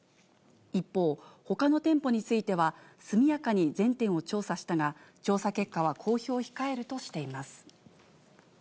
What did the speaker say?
一方、ほかの店舗については、速やかに全店を調査したが、調査結果は公表を控えるとしています。